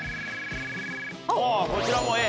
こちらもＡ。